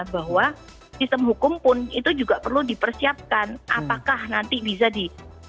bahwa sistem hukum pun itu juga perlu dipersiapkan apakah nanti bisa di